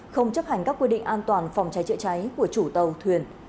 không chấp hành các quy định an toàn phòng cháy chữa cháy của chủ tàu thuyền